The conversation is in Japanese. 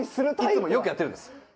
いつもよくやってるんです。